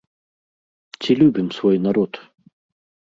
Ці любім свой народ?